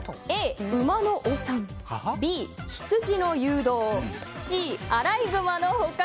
Ａ、ウマのお産Ｂ、ヒツジの誘導Ｃ、アライグマの捕獲。